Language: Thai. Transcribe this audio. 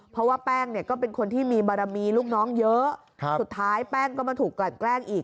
เพราะว่าแป้งเนี่ยก็เป็นคนที่มีบารมีลูกน้องเยอะสุดท้ายแป้งก็มาถูกกลั่นแกล้งอีก